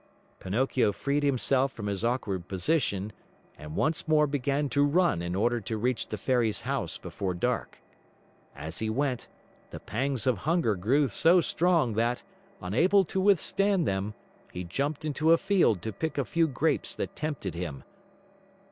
Pinocchio freed himself from his awkward position and once more began to run in order to reach the Fairy's house before dark. As he went, the pangs of hunger grew so strong that, unable to withstand them, he jumped into a field to pick a few grapes that tempted him.